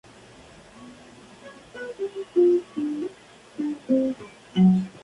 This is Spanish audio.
Durante este período, Ortelli entra en una etapa de ostracismo dentro del Turismo Carretera.